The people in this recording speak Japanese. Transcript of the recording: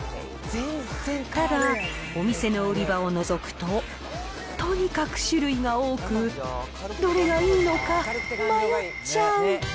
ただ、お店の売り場をのぞくと、とにかく種類が多く、どれがいいのか、迷っちゃう。